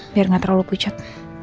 biar gak terlalu pucat